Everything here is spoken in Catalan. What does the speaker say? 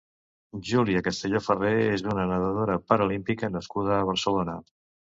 Julia Castelló Farré és una nedadora paralímpica nascuda a Barcelona.